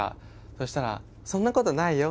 そしたら「そんなことないよ。